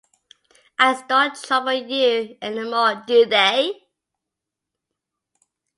Eyes don't trouble you any more, do they?